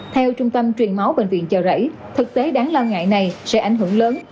theo trung tâm truyền máu bệnh viện chợ rẫy thực tế đáng lo ngại này sẽ ảnh hưởng lớn